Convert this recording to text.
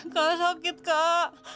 kak sakit kak